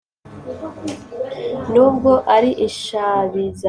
n’ubwo ari inshabizamudiho.